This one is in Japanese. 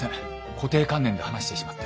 固定観念で話してしまって。